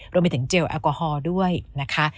รวมไปถึงเจลแอลกอฮอล์ด้วยนะคะ